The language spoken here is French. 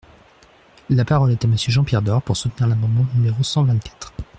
La parole est à Monsieur Jean-Pierre Door, pour soutenir l’amendement numéro cent vingt-quatre.